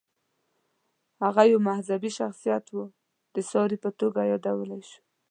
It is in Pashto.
هغه یو مذهبي شخصیت و، د ساري په توګه یادولی شو.